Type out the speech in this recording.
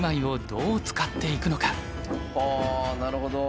あなるほど。